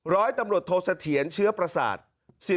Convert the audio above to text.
ร้อยตำรวจโทษเสถียรเชื้อประสาท